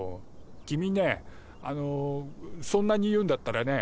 君ねあのそんなに言うんだったらね